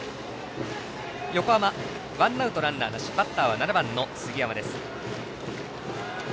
横浜、ワンアウト、ランナーなしバッターは７番の杉山です。